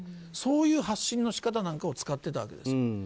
そういう発信の仕方なんかを使ってたわけです。